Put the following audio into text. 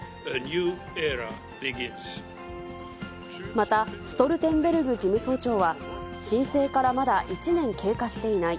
またストルテンベルグ事務総長は、申請からまだ１年経過していない。